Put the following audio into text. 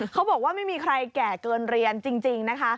เขาบอกว่าไม่มีใครแก่เกินเรียนจริงนะคะ